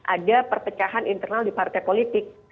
ada perpecahan internal di partai politik